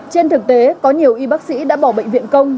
trên thực tế có nhiều y bác sĩ đã bỏ bệnh viện công